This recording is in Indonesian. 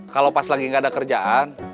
kalau pas lagi gak ada kerjaan